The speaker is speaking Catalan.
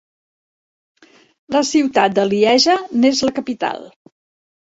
La ciutat de Lieja n'és la capital.